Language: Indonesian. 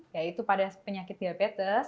yaitu pada penyakit diabetes